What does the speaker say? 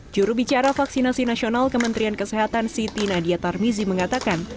jurubicara vaksinasi nasional kementerian kesehatan siti nadia tarmizi mengatakan